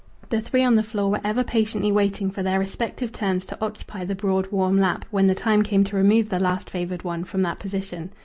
The three on the floor were ever patiently waiting for their respective turns to occupy the broad warm lap when the time came to remove the last favoured one from that position.